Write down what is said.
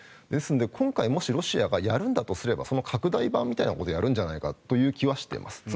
ですので、今回もしロシアがやるんだとしたらその拡大版みたいなことをやるんじゃないかという気はしています。